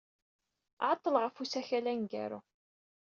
Ɛeḍḍleɣ ɣef usakal aneggaru.